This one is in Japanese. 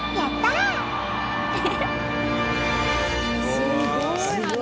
すごい話！